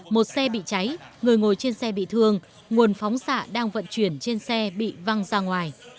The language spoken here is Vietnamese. một xe bị cháy người ngồi trên xe bị thương nguồn phóng xạ đang vận chuyển trên xe bị văng ra ngoài